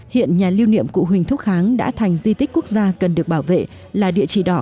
hiện nhà lưu niệm cụ huỳnh thúc kháng đã thành di tích quốc gia cần được bảo vệ là địa chỉ đỏ